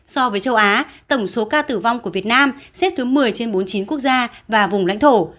so với châu á tổng số ca tử vong của việt nam xếp thứ một mươi trên bốn mươi chín quốc gia và vùng lãnh thổ